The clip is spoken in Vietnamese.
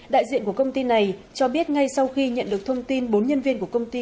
đại diện của công ty này cho biết ngay sau khi nhận được thông tin bốn nhân viên của công ty